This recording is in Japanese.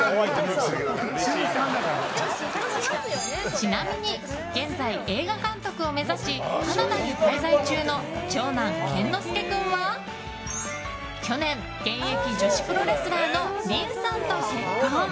ちなみに現在映画監督を目指しカナダに滞在中の長男健之介君は去年、現役女子プロレスラーの凛さんと結婚。